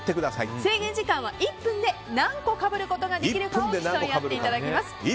制限時間は１分で何個かぶれるかを競い合っていただきます。